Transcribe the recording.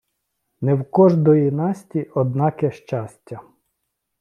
Не в кождої Насті однаке щастя.